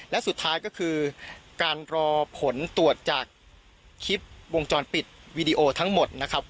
และสุดท้ายก็คือการรอผลตรวจจากคลิปวงจรปิดวีดีโอทั้งหมดนะครับ